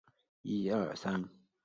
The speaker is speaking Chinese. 你们之前搬来搬去